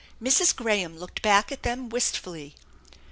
Mrs. Graham looked back at them wistfully.